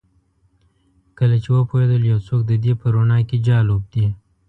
کله چې وپوهیدل یو څوک د دې په روڼا کې جال اوبدي